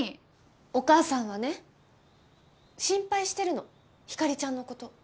お母さんはね心配してるの星ちゃんのこと。